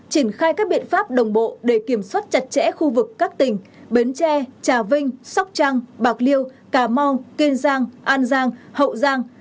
triển khai các biện pháp đồng bộ để kiểm soát chặt chẽ khu vực các tỉnh bến tre trà vinh sóc trăng bạc liêu cà mau kiên giang an giang hậu giang